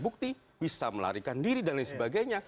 bukti bisa melarikan diri dan lain sebagainya